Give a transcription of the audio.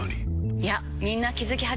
いやみんな気付き始めてます。